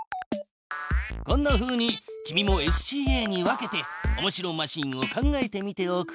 こんなふうに君もＳＣＡに分けておもしろマシーンを考えてみておくれ。